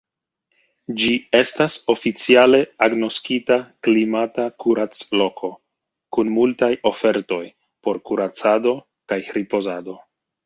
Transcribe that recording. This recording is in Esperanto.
Ĝi estas oficiale agnoskita klimata kuracloko kun multaj ofertoj por kuracado kaj ripozado.